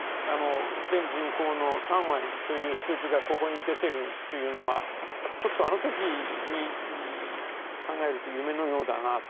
全人口の３割という数字がここに出ているというのはちょっとあの時に考えると夢のようだなと。